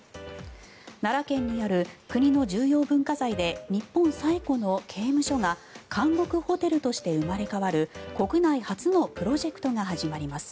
奈良県にある国の重要文化財で日本最古の刑務所が監獄ホテルとして生まれ変わる国内初のプロジェクトが始まります。